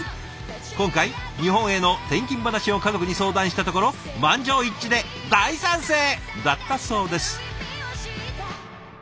今回日本への転勤話を家族に相談したところ満場一致で「大賛成！」だったそうです。